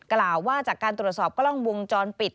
กล่าวว่าจากการตรวจสอบกล้องวงจรปิด